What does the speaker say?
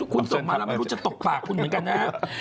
คุณส่งมาแล้วไม่รู้จะตกปากคุณเหมือนกันนะครับ